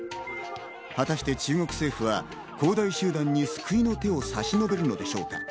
果たして中国政府は恒大集団に救いの手を差し伸べるのでしょうか。